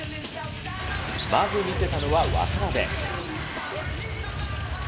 まず見せたのは渡邊。